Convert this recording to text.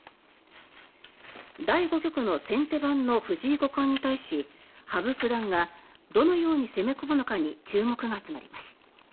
第５局の先手番の藤井五冠に対し羽生九段がどのように攻め込むのかに注目が集まります。